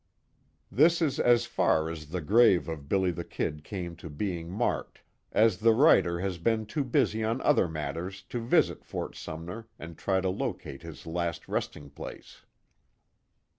This is as far as the grave of "Billy the Kid" came to being marked, as the writer has been too busy on other matters, to visit Fort Sumner and try to locate his last resting place.